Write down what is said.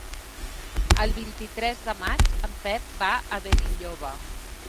El vint-i-tres de maig en Pep va a Benilloba.